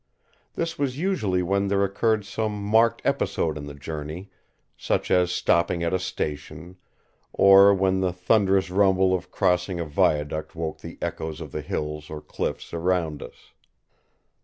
This was usually when there occurred some marked episode in the journey, such as stopping at a station, or when the thunderous rumble of crossing a viaduct woke the echoes of the hills or cliffs around us.